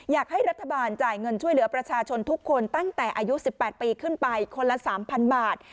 อยากให้รัฐบาลจ่ายเงินช่วยเหลือประชาชนทุกคนตั้งแต่อายุ๑๘ปีขึ้นไปคนละ๓๐๐บาท